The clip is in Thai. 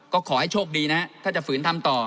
ก็ขอให้โชคดีนะถ้าจะฝืนทำต่อ